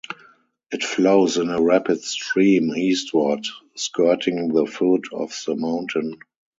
It flows in a rapid stream eastward, skirting the foot of the mountain.